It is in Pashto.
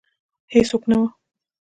هیڅوک نه وه